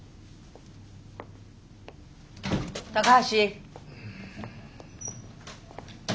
高橋。